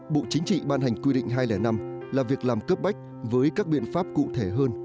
bộ chính trị ban hành quy định hai trăm linh năm là việc làm cấp bách với các biện pháp cụ thể hơn